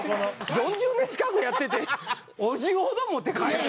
４０年近くやっててお重ほど持って帰るって。